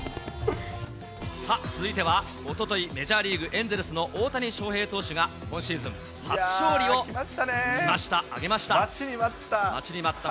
さあ、続いてはおととい、メジャーリーグ・エンゼルスの大谷翔平投手が今シーズン初勝利を待ちに待った。